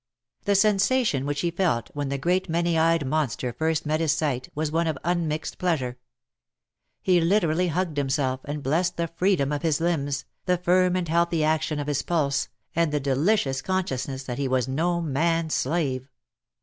The sensation which he felt when the great many eyed monster first met his sight, was one of unmixed pleasure. He literally hugged himself, and blessed the freedom of his limbs, the firm and healthy action of his pulse, and the delicious consciousness that he was no man's slave.